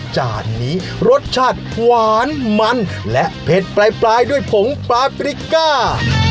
จานนี้รสชาติหวานมันและเผ็ดปลายด้วยผงปลาปริก้า